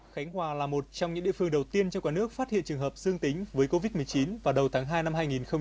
khánh hòa là một trong những địa phương đầu tiên trong cả nước phát hiện trường hợp dương tính với covid một mươi chín vào đầu tháng hai năm hai nghìn hai mươi